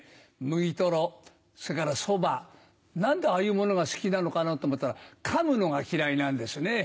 麦とろそれからそば何でああいうものが好きなのかなと思ったら噛むのが嫌いなんですね。